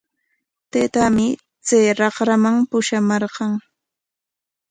Taytaami chay raqraman pushamarqan.